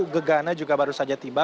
gegana juga baru saja tiba